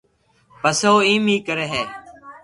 پسي او ايم اي ڪري ھي